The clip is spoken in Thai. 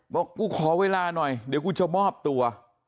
บอกกูขอเวลาหน่อยเดี๋ยวกูจะมอบตัว